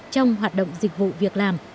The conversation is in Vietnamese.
trong hoạt động dịch vụ việc làm